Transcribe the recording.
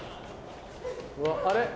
あれ？